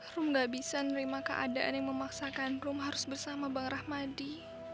rum gak bisa menerima keadaan yang memaksakan rum harus bersama bang rahmadi